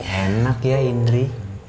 enak ya indri